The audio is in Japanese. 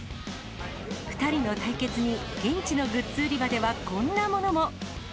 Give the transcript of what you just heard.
２人の対決に、現地のグッズ売り場では、こんなものも。